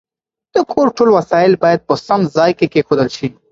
د کور ټول وسایل باید په سم ځای کې کېښودل شي.